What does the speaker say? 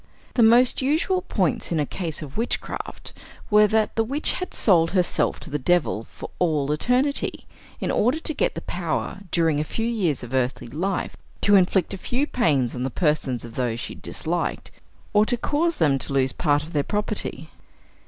The most usual points in a case of witchcraft were, that the witch had sold herself to the devil for all eternity, in order to get the power during a few years of earthly life, to inflict a few pains on the persons of those she disliked, or to cause them to lose part of their property.